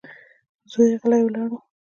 زوی يې غلی ولاړ و.